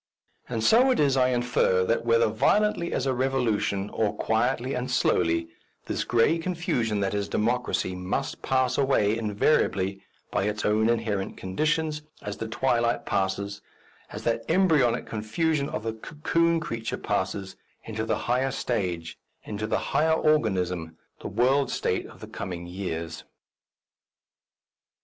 And so it is I infer that, whether violently as a revolution or quietly and slowly, this grey confusion that is Democracy must pass away inevitably by its own inherent conditions, as the twilight passes, as the embryonic confusion of the cocoon creature passes, into the higher stage, into the higher organism, the world state of the coming years.